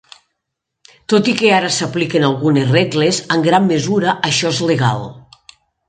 Tot i que ara s'apliquen algunes regles, en gran mesura això és legal.